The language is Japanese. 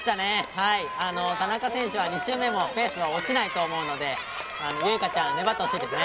はいあの田中選手は２周目もペースは落ちないと思うので結花ちゃん粘ってほしいですね